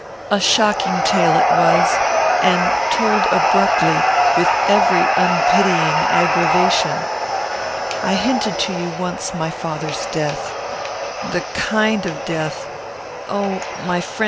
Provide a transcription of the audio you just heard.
"A shocking tale it was! and told abruptly, with every unpitying aggravation. I hinted to you once my father's death. The kind of death oh! my friend!